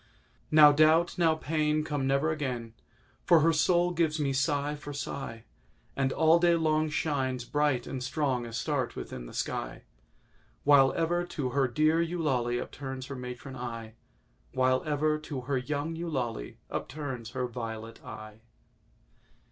Now Doubt—now Pain Come never again, For her soul gives me sigh for sigh, And all day long Shines, bright and strong, Astarté within the sky, While ever to her dear Eulalie upturns her matron eye— While ever to her young Eulalie upturns her violet eye.